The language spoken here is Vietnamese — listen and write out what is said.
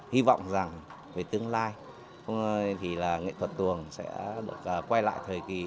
hy vọng rằng về tương lai